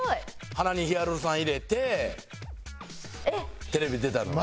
鼻にヒアルロン酸入れてテレビに出たのよ。